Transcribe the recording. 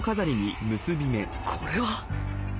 これは